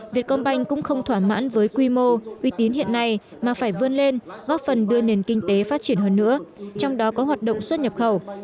việt công banh cũng không thỏa mãn với quy mô uy tín hiện nay mà phải vươn lên góp phần đưa nền kinh tế phát triển hơn nữa trong đó có hoạt động xuất nhập khẩu